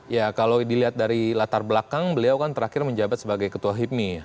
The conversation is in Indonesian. ya kalau dilihat dari latar belakang beliau kan terakhir menjabat sebagai ketua hipmi